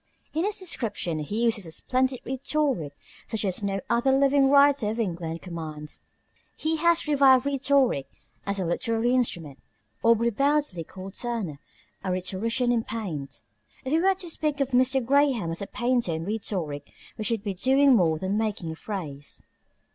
In his descriptions he uses a splendid rhetoric such as no other living writer of English commands. He has revived rhetoric as a literary instrument. Aubrey Beardsley called Turner a rhetorician in paint. If we were to speak of Mr. Graham as a painter in rhetoric, we should be doing more than making a phrase.